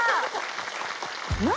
何？